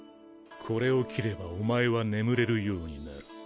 これを斬ればおまえは眠れるようになる。